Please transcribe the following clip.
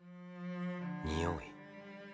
におい。